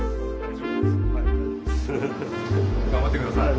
頑張って下さい。